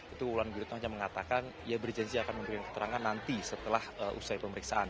itu wulan gurito hanya mengatakan ia berjanji akan memberikan keterangan nanti setelah usai pemeriksaan